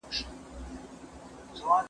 لارښوونه کوي